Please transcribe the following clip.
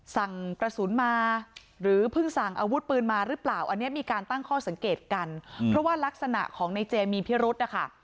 สั่งกระสุนมาหรือเพิ่งสั่งอาวุธปืนมาหรือเปล่าอันนี้มีการตั้งข้อสังเกตกันเพราะว่ารักษณะของในเจมีพิรุธนะคะ